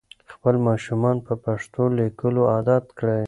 خپل ماشومان په پښتو لیکلو عادت کړئ.